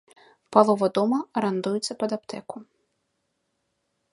Палова дома арандуецца пад аптэку.